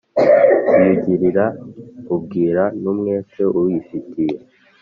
uyigirira ubwira n’umwete uyifitiye,